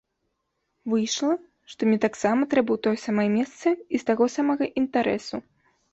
Выйшла, што мне таксама трэба ў тое самае месца і з такога самага інтарэсу.